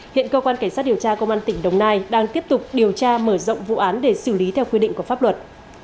hiện cơ quan cảnh sát điều tra công an tỉnh đồng nai đang tiếp tục điều tra mở rộng vụ án để xử lý theo quy định của pháp luật